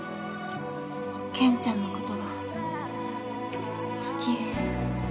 健ちゃんのことが好き。